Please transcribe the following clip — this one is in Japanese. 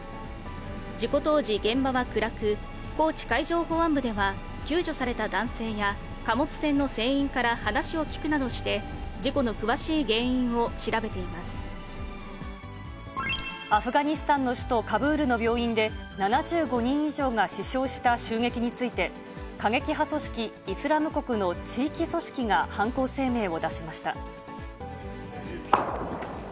事故当時、現場は暗く、高知海上保安部では、救助された男性や貨物船の船員から話を聞くなどして、事故の詳しアフガニスタンの首都カブールの病院で、７５人以上が死傷した襲撃について、過激派組織イスラム国の地域組織が犯行声明を出しました。